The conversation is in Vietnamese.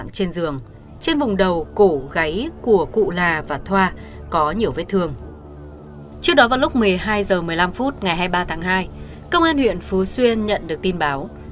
trước đó vào lúc một mươi hai h một mươi năm phút ngày hai mươi ba tháng hai công an huyện phú xuyên nhận được tin báo